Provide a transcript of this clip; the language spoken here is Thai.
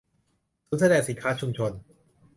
ศูนย์แสดงสินค้าชุมชน